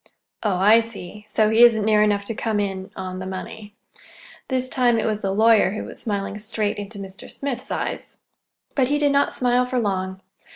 "Oh I see. So he isn't near enough to come in—on the money." This time it was the lawyer who was smiling straight into Mr. Smith's eyes. But he did not smile for long.